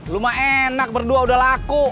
lumayan enak berdua udah laku